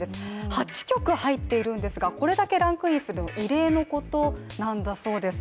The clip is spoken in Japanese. ８曲入っているんですが、これだけランクインするのは異例のことなんだそうです。